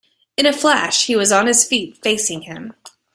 In a flash he was on his feet, facing him.